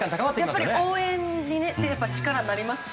応援も力になりますよね。